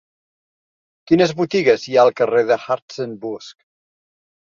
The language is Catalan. Quines botigues hi ha al carrer de Hartzenbusch?